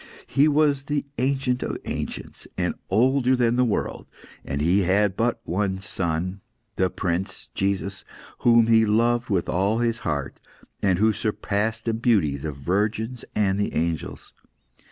He was the Ancient of Ancients, and older than the world; and He had but one Son, the Prince Jesus, whom He loved with all His heart, and who surpassed in beauty the virgins and the angels.